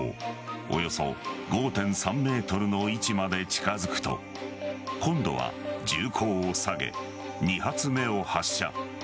およそ５．３ｍの位置まで近づくと今度は銃口を下げ２発目を発射。